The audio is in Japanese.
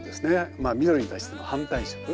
まあ緑に対しての反対色。